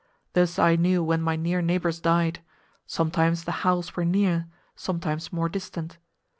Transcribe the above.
Thus I knew when my near neighbours died; sometimes the howls were near, sometimes more distant.